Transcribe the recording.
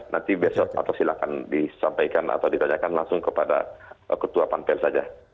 nanti besok atau silahkan disampaikan atau ditanyakan langsung kepada ketua panpel saja